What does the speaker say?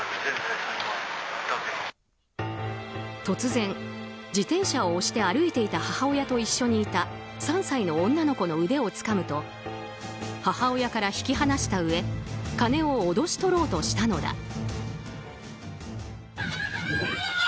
突然、自転車を押して歩いていた母親と一緒にいた３歳の女の子の腕をつかむと母親から引き離したうえ金を脅し取ろうとしたのだ。